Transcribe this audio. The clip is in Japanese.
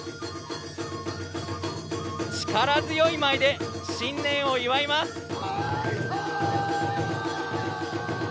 力強い舞で、新年を祝います。